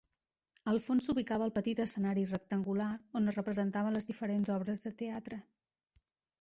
Al fons s'ubicava el petit escenari rectangular on es representaven les diferents obres de teatre.